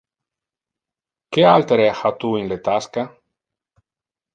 Que altere ha tu in le tasca?